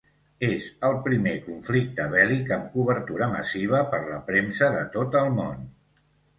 És el primer conflicte bèl·lic amb cobertura massiva per la premsa de tot el món.